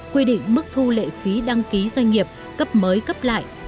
quy định mức thu lệ phí đăng ký doanh nghiệp cấp mới cấp lại